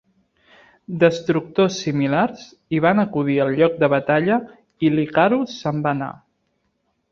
Destructors similars i van acudir al lloc de batalla i l'Icarus se'n va anar.